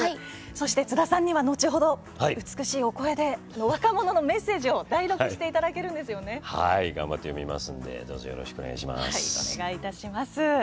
そして、津田さんには後ほど美しいお声で若者へのメッセージを代読していただけるんですよね？頑張って読みますんでよろしくお願いします。